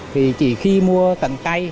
thì chỉ khi mua tận tay